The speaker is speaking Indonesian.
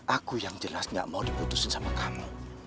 aku yang jelas gak mau diputusin sama kamu